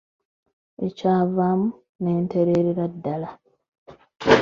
Ekyavaamu ne ntereerera ddala.